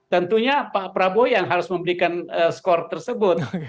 tentunya pak prabowo yang harus memberikan skor tersebut